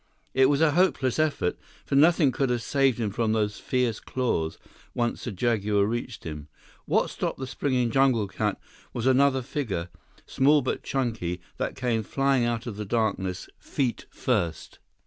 It was a hopeless effort, for nothing could have saved him from those fierce claws, once the jaguar reached him. What stopped the springing jungle cat was another figure, small but chunky, that came flying out of the darkness, feet first.